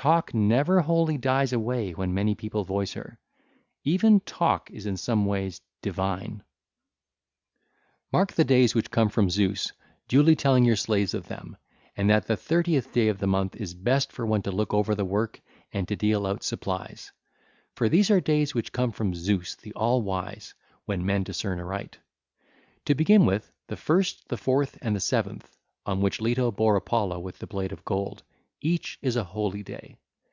Talk never wholly dies away when many people voice her: even Talk is in some ways divine. (ll. 765 767) Mark the days which come from Zeus, duly telling your slaves of them, and that the thirtieth day of the month is best for one to look over the work and to deal out supplies. (ll. 769 768) 1340 For these are days which come from Zeus the all wise, when men discern aright. (ll. 770 779) To begin with, the first, the fourth, and the seventh—on which Leto bare Apollo with the blade of gold—each is a holy day.